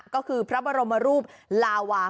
ก็คือพระบรมรูปลาวา